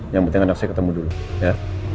yang penting anak saya ketemu dulu ya